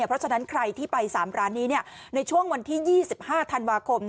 เพราะฉะนั้นใครที่ไป๓ร้านนี้ในช่วงวันที่๒๕ธันวาคม